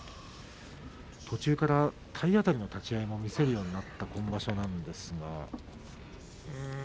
途中から体当たりの立ち合いも見せるようになった今場所なんですが。